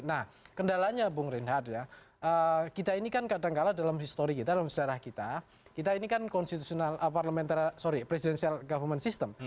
nah kendalanya bung reinhard ya kita ini kan kadangkala dalam sejarah kita kita ini kan presidential government system